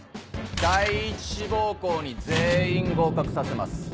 第一志望校に全員合格させます。